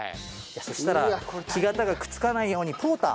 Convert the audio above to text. そしたら木型がくっつかないようにポーター。